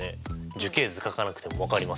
樹形図書かなくても分かります。